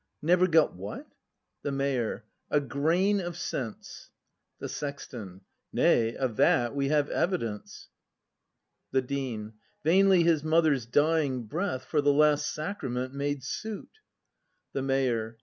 Never got what? The Mayor. • A grain of sense. The Sexton. Nay, of that we have evidence! The Dean. Vainly his mother's dying breath For the last sacrament made suit! The Mayor.